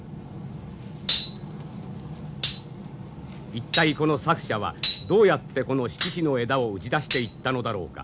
一体この作者はどうやってこの七支の枝を打ち出していったのだろうか。